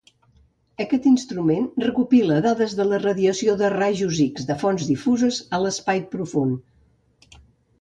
Aquest instrument recopila dades de la radiació de rajos X de fonts difuses a l"espai profund.